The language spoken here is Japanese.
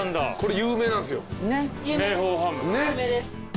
有名です。